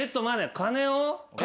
金を？